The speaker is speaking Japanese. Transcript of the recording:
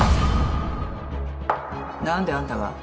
何であんたが？